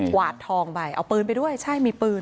วาดทองไปเอาปืนไปด้วยใช่มีปืน